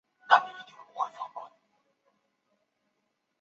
文格尔卡市镇是俄罗斯联邦伊尔库茨克州泰舍特区所属的一个市镇。